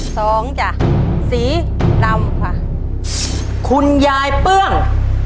สองจ้ะสีดำค่ะคุณยายเปื้อง